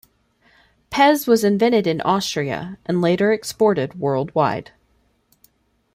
Pez was invented in Austria, and later exported worldwide.